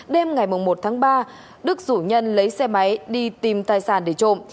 đêm ngày một tháng ba đức rủ nhân lấy xe máy đi tìm tài sản để trộm